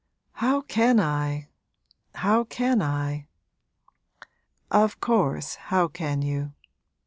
'How can I how can I?' 'Of course, how can you?